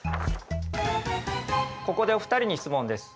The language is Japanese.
ここでお二人に質問です。